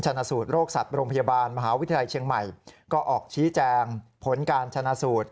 ชนะสูตรโรคสัตว์โรงพยาบาลมหาวิทยาลัยเชียงใหม่ก็ออกชี้แจงผลการชนะสูตร